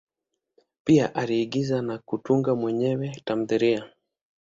Pia aliigiza na kutunga mwenyewe tamthilia.